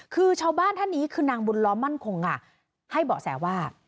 คือชาวบ้านท่านนี้คือนางบุญล้อมมั่นคงค่ะให้เบาะแสว่า